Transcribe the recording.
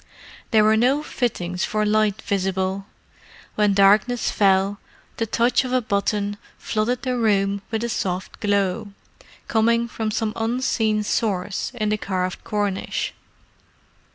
There were no fittings for light visible: when darkness fell, the touch of a button flooded the room with a soft glow, coming from some unseen source in the carved cornice.